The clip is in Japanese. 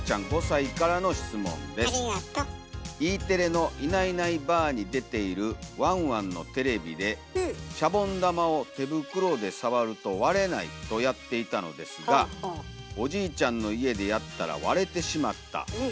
「Ｅテレの『いないいないばあっ！』に出ているワンワンのテレビでシャボン玉を手袋でさわると割れないとやっていたのですがおじいちゃんの家でやったら割れてしまった。